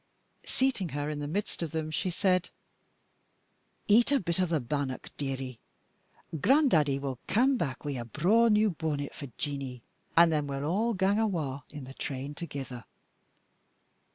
Seating her in the midst of them, she said, "Eat a bit o' the bannock, dearie. Gran'daddie will cam back wi' a braw new bonnet for Jeanie, and then we'll a' gang awa' i' the train togither."